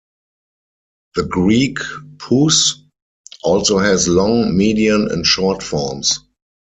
The Greek pous also has long, median and short forms.